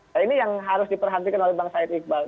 nah ini yang harus diperhatikan oleh bang said iqbal